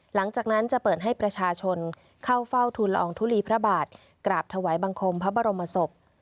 หลังจากนั้นจะเปิดให้ประชาชนเข้าเฝ้าทุนละอองทุลีพระบาทกราบถวายบังคมพระบรมศพ